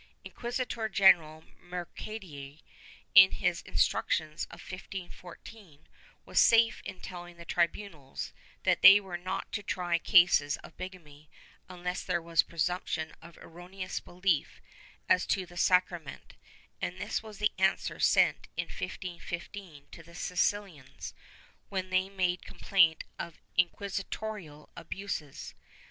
Inquisitor general Mercader, in his Instructions of 1514, was safe in telling the tribunals that they were not to try cases of bigamy unless there was presumption of erroneous belief as to the sacrament, and this was the answer sent, in 1515, to the Sicilians, when they made complaint of inciuisitorial abuses.